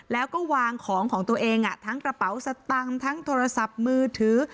แล้วก็วางของของตัวเองทั้งกระเป๋าสตังค์ทั้งโทรศัพท์มือถือ